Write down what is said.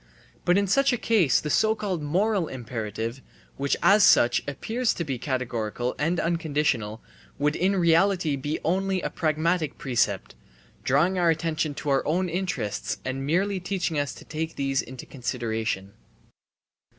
But in such a case the so called moral imperative, which as such appears to be categorical and unconditional, would in reality be only a pragmatic precept, drawing our attention to our own interests and merely teaching us to take these into consideration.